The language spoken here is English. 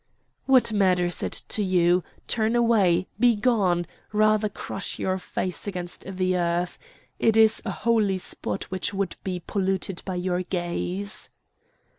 "What matters it to you? Turn away! Begone! Rather crush your face against the earth! It is a holy spot which would be polluted by your gaze!"